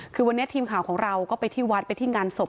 คือวันนี้ทีมข่าวของเราก็ไปที่วัดไปที่งานศพ